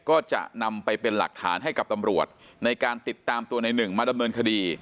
ก็จะนำไปเป็นหลักฐานให้กับตำรวจในการติดตามตัวในหนึ่งมาดำเนินคดี